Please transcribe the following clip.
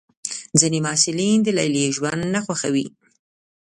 ځینې محصلین د لیلیې ژوند نه خوښوي.